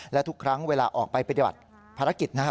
และทุกครั้งเวลาออกไปปฏิบัติภารกิจนะครับ